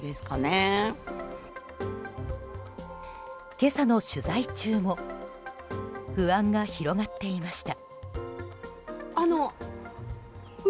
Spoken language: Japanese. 今朝の取材中も不安が広がっていました。